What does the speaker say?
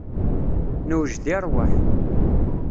Newjed i rrwaḥ.